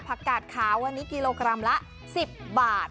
กาดขาววันนี้กิโลกรัมละ๑๐บาท